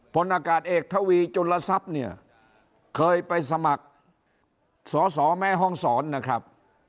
ผลอากาศเอกทวีจุลทรัพย์เนี่ยเคยไปสมัครสอสอแม่ห้องศรนะครับ